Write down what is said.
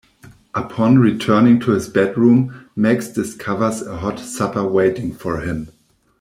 Upon returning to his bedroom, Max discovers a hot supper waiting for him.